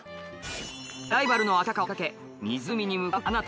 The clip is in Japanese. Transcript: ライバルのアキタカを追いかけ湖に向かうかなた。